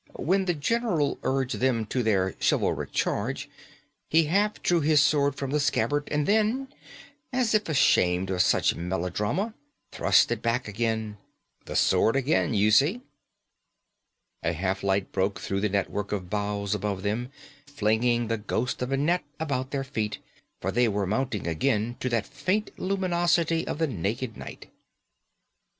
When the general urged them to their chivalric charge he half drew his sword from the scabbard; and then, as if ashamed of such melodrama, thrust it back again. The sword again, you see." A half light broke through the network of boughs above them, flinging the ghost of a net about their feet; for they were mounting again to the faint luminosity of the naked night.